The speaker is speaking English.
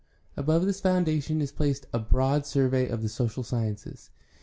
Above this foundation is placed a broad survey of the social sciences.